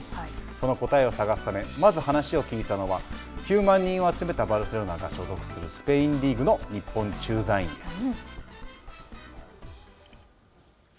その答えを探すためまず話を聞いたのは９万人を集めたバルセロナが所属するスペインリーグの日本駐在員です。